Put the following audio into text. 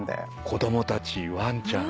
子供たちワンちゃん。